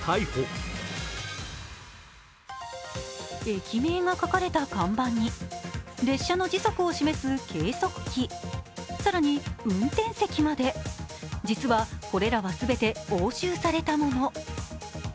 駅名が書かれた看板に列車の時速を示す計測器更に運転席まで、実はこれらは全て押収されたもの。